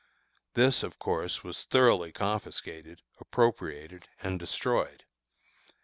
This, of course, was thoroughly confiscated, appropriated, and destroyed.